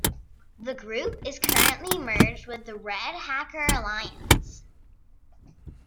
The group is currently merged with the Red Hacker Alliance.